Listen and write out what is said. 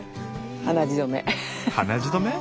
鼻血止め？